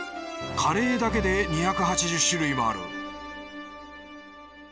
カレーだけで２８０種類もある